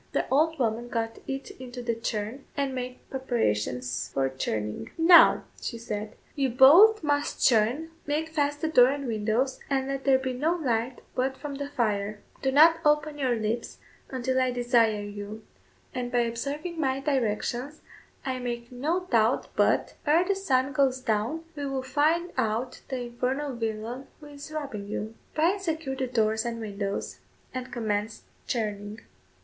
The old woman got it into the churn, and made preparations for churning. "Now," she said, "you both must churn, make fast the door and windows, and let there be no light but from the fire; do not open your lips until I desire you, and by observing my directions, I make no doubt but, ere the sun goes down, we will find out the infernal villain who is robbing you." Bryan secured the doors and windows, and commenced churning.